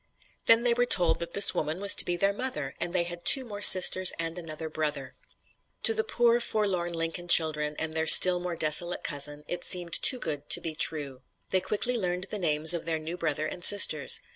Then they were told that this woman was to be their mother and they had two more sisters and another brother! To the poor forlorn Lincoln children and their still more desolate cousin, it seemed too good to be true. They quickly learned the names of their new brother and sisters.